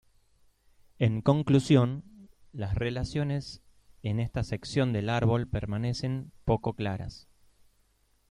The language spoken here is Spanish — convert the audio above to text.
En conclusión, las relaciones en esta sección del árbol permanecen poco claras.